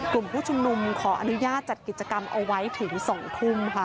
กลุ่มผู้ชุมนุมขออนุญาตจัดกิจกรรมเอาไว้ถึง๒ทุ่มค่ะ